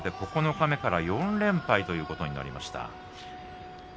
これで魁勝は４連敗ということになりました。